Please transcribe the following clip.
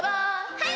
はい！